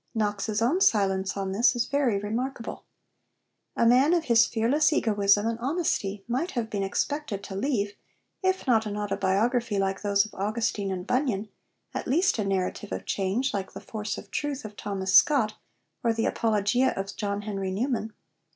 Knox's own silence on this is very remarkable. A man of his fearless egoism and honesty might have been expected to leave, if not an autobiography like those of Augustine and Bunyan, at least a narrative of change like the Force of Truth of Thomas Scott, or the Apologia of John Henry Newman.